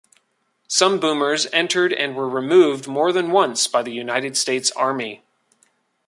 Some Boomers entered and were removed more than once by the United States Army.